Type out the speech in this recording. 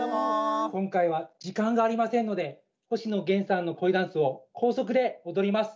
今回は時間がありませんので星野源さんの恋ダンスを高速で踊ります。